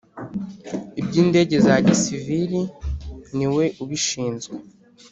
iby indege za Gisivili ni we ubishinzwe